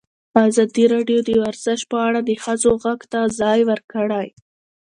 ازادي راډیو د ورزش په اړه د ښځو غږ ته ځای ورکړی.